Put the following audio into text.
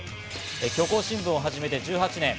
虚構新聞を始めて１８年。